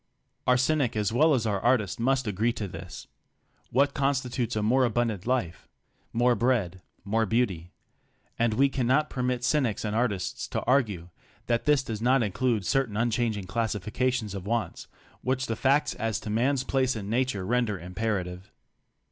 Our cynic as well as 8 our artist must agree to this. What constitutes a more abundant Hfe? More bread, more beauty. And we cannot permit cynics and artists to argue that this does not include certain unchanging classifications of wants which the facts as to man's place in nature render imperative.